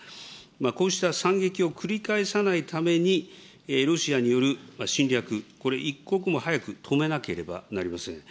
こうした惨劇を繰り返さないために、ロシアによる侵略、これ、一刻も早く止めなければなりません。